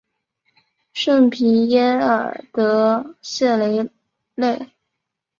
圣皮耶尔德谢雷内。